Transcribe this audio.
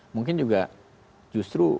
mungkin juga justru